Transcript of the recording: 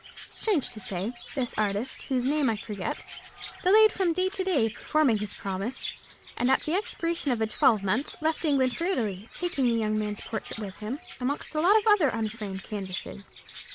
Strange to say, this artist, whose name I forget, delayed from day to day performing his promise, and at the expiration of a twelvemonth left England for Italy, taking the young man's portrait with him, amongst a lot of other unframed canvases.